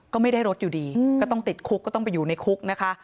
ก็ไม่ได้รถอยู่ดีก็ต้องติดคุกก็ต้องไปอยู่ในคุกนะคะ